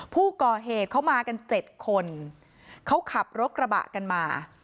ผู้ก่อเหตุเขามากัน๗คนเขาขับรถกระบะกันมา